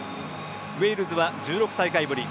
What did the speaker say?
ウェールズは１６大会ぶり。